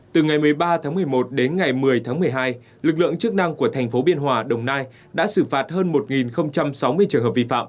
từ ngày một mươi ba tháng một mươi một đến ngày một mươi tháng một mươi hai lực lượng chức năng của thành phố biên hòa đồng nai đã xử phạt hơn một sáu mươi trường hợp vi phạm